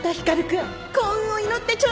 幸運を祈ってちょうだい！